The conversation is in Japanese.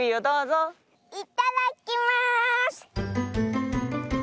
いただきます！